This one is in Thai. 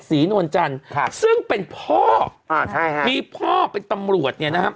ศรีนวลจันทร์ซึ่งเป็นพ่อแคระมีพ่อเป็นตำรวจเนี่ยนะครับ